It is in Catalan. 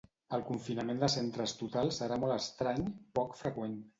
El confinament de centres total serà molt estrany, poc freqüent.